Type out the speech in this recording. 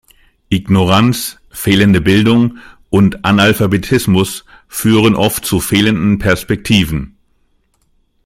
Ignoranz, fehlende Bildung und Analphabetismus führen oft zu fehlenden Perspektiven.